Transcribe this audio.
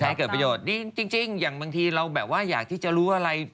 ให้เกิดประโยชน์ดีจริงอย่างบางทีเราแบบว่าอยากที่จะรู้อะไร